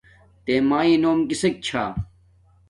تݺ مݳیݺ نݸم کِسݵک چھݳ؟